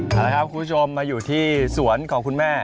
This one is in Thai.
เอาละครับคุณผู้ชมมาอยู่ที่สวนของคุณแม่